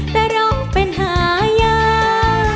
แต่ร้องเป็นหายา